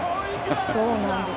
そうなんです。